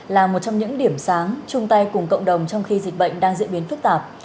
là một trong những điểm sáng chung tay cùng cộng đồng trong khi dịch bệnh đang diễn biến phức tạp